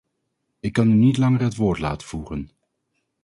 Ik kan u niet langer het woord laten voeren.